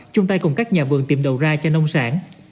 chung tay cùng các nhà vườn tìm đầu ra cho nông sản